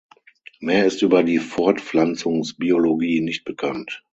Mehr ist über die Fortpflanzungsbiologie nicht bekannt.